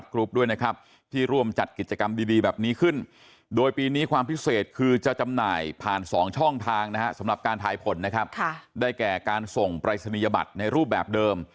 การนี้อย่างมากมายเลยครับ